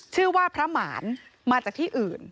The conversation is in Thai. ชื่อว่าพระหมานมาจากที่อื่น